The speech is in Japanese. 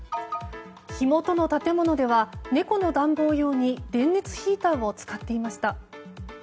火元の建物では猫の暖房用に電熱ヒーターを使っていました。